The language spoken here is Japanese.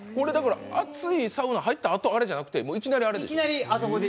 熱いサウナに入ったあとにあれじゃなくて、いきなりあそこに？